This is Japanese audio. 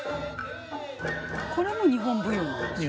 これも日本舞踊なんですよね。